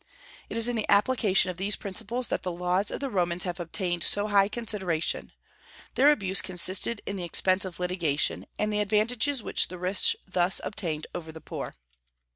It is in the application of these principles that the laws of the Romans have obtained so high consideration; their abuse consisted in the expense of litigation, and the advantages which the rich thus obtained over the poor.